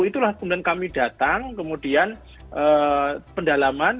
itulah kemudian kami datang kemudian pendalaman